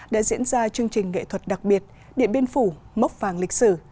đã diễn ra chương trình nghệ thuật đặc biệt điện biên phủ mốc vàng lịch sử